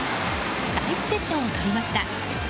第１セットを取りました。